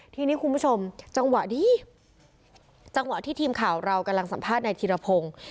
ทีนี้คุณผู้ชมจังหวะนี้จังหวะที่ทีมข่าวเรากำลังสัมภาษณ์นายธิรพงศ์